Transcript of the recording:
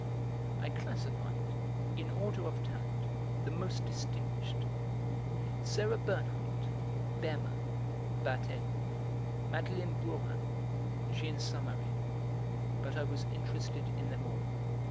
I classified, in order of talent, the most distinguished: Sarah Bernhardt, Berma, Bartet, Madeleine Brohan, Jeanne Samary; but I was interested in them all.